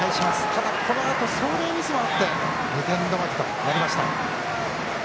ただ、このあと走塁ミスもあって２点止まりとなりました。